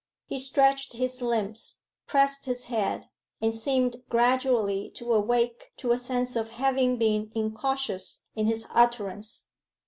He stretched his limbs, pressed his head, and seemed gradually to awake to a sense of having been incautious in his utterance.